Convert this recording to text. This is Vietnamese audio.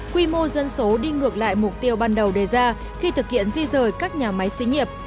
quy mô dân số đi ngược lại mục tiêu ban đầu đề ra khi thực hiện di rời các nhà máy xí nghiệp